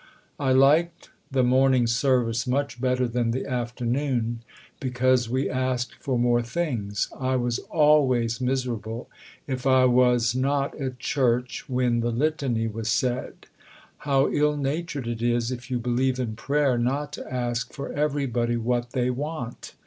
I liked the morning service much better than the afternoon, because we asked for more things.... I was always miserable if I was not at church when the Litany was said. How ill natured it is, if you believe in prayer, not to ask for everybody what they want....